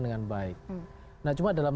dengan baik nah cuma dalam